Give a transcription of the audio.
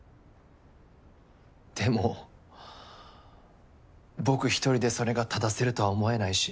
でも僕１人でそれが正せるとは思えないし